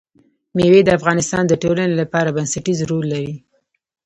مېوې د افغانستان د ټولنې لپاره بنسټيز رول لري.